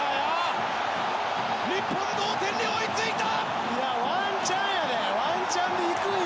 日本同点に追いついた。